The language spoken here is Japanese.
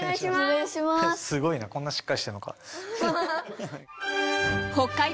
すごいなこんなしっかりしてんのか。